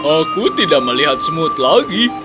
aku tidak melihat smooth lagi